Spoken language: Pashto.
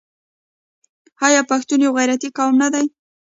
آیا پښتون یو غیرتي قوم نه دی؟